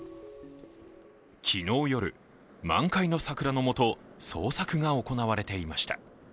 昨日夜、満開の桜のもと、捜索が行われていました。